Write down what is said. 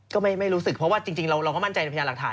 ก็ไม่รู้สึกเพราะว่าจริงเราก็มั่นใจในพยานหลักฐาน